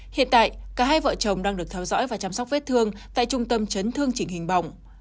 hiện tại cả hai vợ chồng đang được theo dõi và chăm sóc vết thương tại trung tâm chấn thương chỉnh hình bỏng